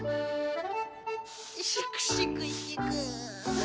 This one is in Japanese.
しくしくしく。